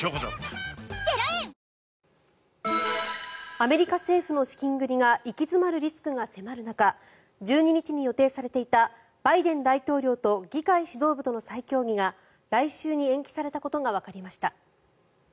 アメリカ政府の資金繰りが行き詰まるリスクが迫る中１２日に予定されていたバイデン大統領と議会指導部との再協議が来週に延期されたことがわかりました。